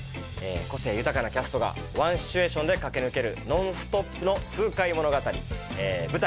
個性豊かなキャストがワンシチュエーションで駆け抜けるノンストップの痛快物語舞台